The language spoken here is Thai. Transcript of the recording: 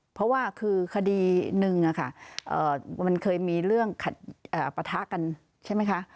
เพราะว่าคือคดีหนึ่งมันเคยมีเรื่องปะทะกันใช่ไหมคะ